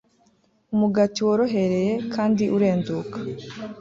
umugati worohereye kandi urenduka